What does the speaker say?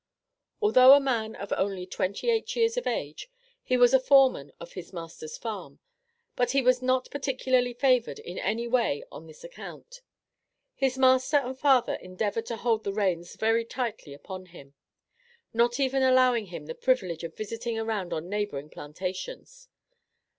Although a man of only twenty eight years of age, he was foreman of his master's farm, but he was not particularly favored in any way on this account. His master and father endeavored to hold the reins very tightly upon him. Not even allowing him the privilege of visiting around on neighboring plantations.